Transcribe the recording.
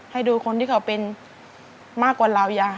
ให้ดูคนที่เขาเป็นมากกว่าเรา